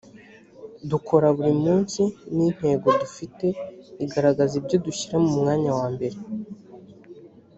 dukora buri munsi n’intego dufite igaragaza ibyo dushyira mu mwanya wa mbere